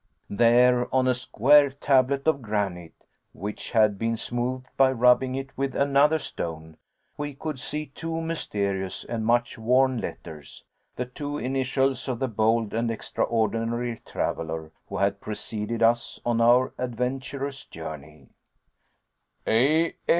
There, on a square tablet of granite, which had been smoothed by rubbing it with another stone, we could see two mysterious, and much worn letters, the two initials of the bold and extraordinary traveler who had preceded us on our adventurous journey. [Illustration: Runic Glyph] "A.